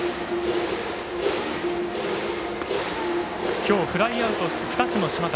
今日フライアウト２つの島瀧。